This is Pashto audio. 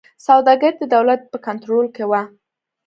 سوداګري د دولت په کنټرول کې وه.